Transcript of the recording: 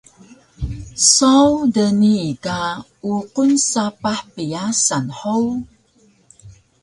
Saw dnii ka uqun sapah pyasan hug?